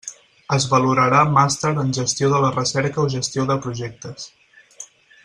Es valorarà Màster en gestió de la recerca o gestió de projectes.